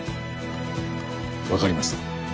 分かりました。